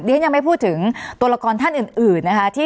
ฉันยังไม่พูดถึงตัวละครท่านอื่นนะคะ